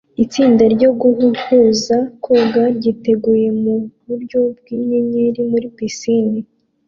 Itsinda ryoguhuza koga ryiteguye muburyo bwinyenyeri muri pisine